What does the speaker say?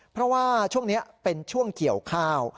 เพราะว่าช่วงนี้เป็นช่วงเกี่ยวข้าว